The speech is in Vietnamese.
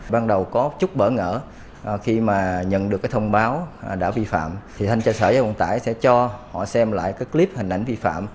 ban đầu có chút bỡ ngỡ khi nhận được thông báo đã vi phạm thanh tra sở giao thông tải sẽ cho họ xem lại clip hình ảnh vi phạm